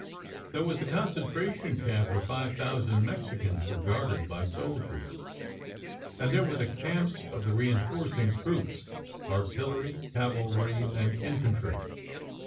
There was the concentration camp where five thousand Mexicans were guarded by soldiers, and there were the camps of the reinforcing troops, artillery, cavalry, and infantry.